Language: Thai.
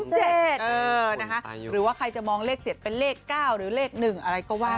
หรือว่าใครจะมองเลข๗เป็นเลข๙หรือเลข๑อะไรก็ว่า